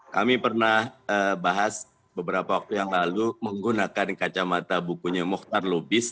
kami pernah bahas beberapa waktu yang lalu menggunakan kacamata bukunya mohtar lubis